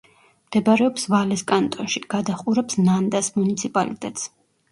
მდებარეობს ვალეს კანტონში; გადაჰყურებს ნანდას მუნიციპალიტეტს.